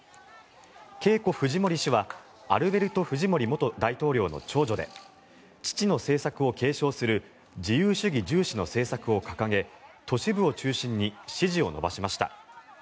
ケイコ・フジモリ氏はアルベルト・フジモリ元大統領の長女で父の政策を継承する自由主義重視の政策を掲げ都市部を中心に支持を伸ばしました。